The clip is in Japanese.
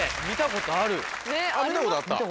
見たことあった？